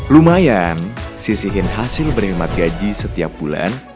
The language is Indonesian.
lumayan sisihin hasil berimat gaji setiap bulan